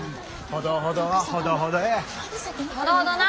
ほどほどはほどほどや。